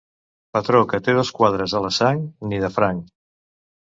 Patró que té dos quadres a la Sang, ni de franc.